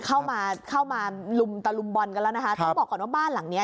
เข้ามาเข้ามาลุมตะลุมบอลกันแล้วนะคะต้องบอกก่อนว่าบ้านหลังเนี้ย